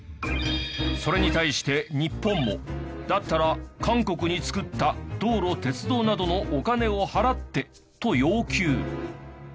それに対して日本も「だったら韓国に造った道路鉄道などのお金を払って」と要求。